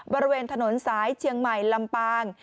บริเวณถนนสายเชียงใหม่ลำปาง